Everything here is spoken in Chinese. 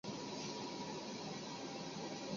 然而这两种囊肿都不是由皮脂腺引起的。